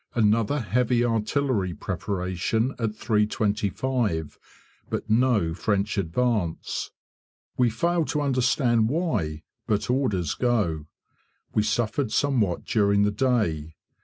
Another heavy artillery preparation at 3.25, but no French advance. We fail to understand why, but orders go. We suffered somewhat during the day.